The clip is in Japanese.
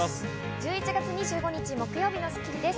１１月２５日、木曜日の『スッキリ』です。